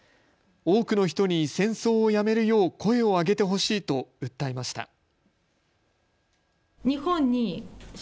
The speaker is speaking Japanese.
多くの人に戦争をやめるよう声を上げてほしいと訴えました。